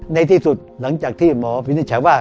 ในที่สุดหลังจากที่หมอวิทยาศาสตร์ว่า